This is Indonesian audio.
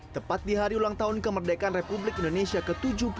tepat di hari ulang tahun kemerdekaan republik indonesia ke tujuh puluh tiga